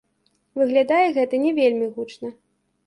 Выглядае гэта не вельмі гучна.